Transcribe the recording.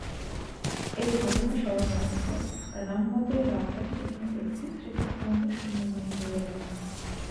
এই ঘটনা স্মরণার্থ রামনাদের রাজা সেখানে একটি স্মৃতিস্তম্ভ নির্মাণ করিয়া দেন।